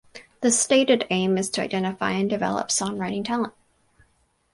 The stated aim is to identify and develop songwriting talent.